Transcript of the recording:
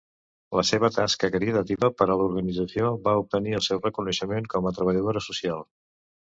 La seva tasca caritativa per a l'organització va obtenir el seu reconeixement com a treballadora social.